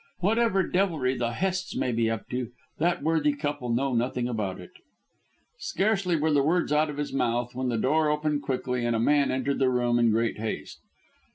Whatever devilry the Hests may be up to, that worthy couple know nothing about it." Scarcely were the words out of his mouth when the door opened quickly and a man entered the room in great haste.